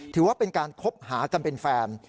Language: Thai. ถือว่าเป็นการคบหากันเป็นแฟน